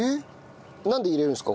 なんで入れるんですか？